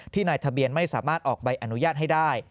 นายทะเบียนไม่สามารถออกใบอนุญาตให้ได้